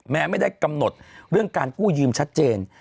แม้ไม่ได้กำหนดเรื่องการกู้ยืมชัดเจน